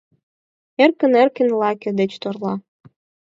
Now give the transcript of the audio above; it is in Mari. Эркын-эркын лаке деч торла.